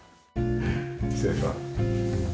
失礼します。